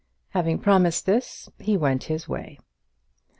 Having promised this, he went his way.